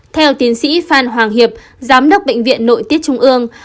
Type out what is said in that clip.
theo tiến sĩ phan hoàng hiệp giám đốc bệnh viện nội tiết trung ương